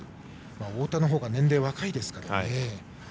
太田のほうが年齢は若いですから。